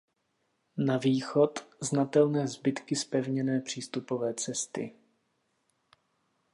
Na východ znatelné zbytky zpevněné přístupové cesty.